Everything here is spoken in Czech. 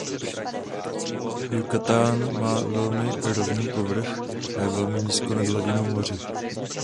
Yucatán má velmi rovný povrch a je velmi nízko nad hladinou moře.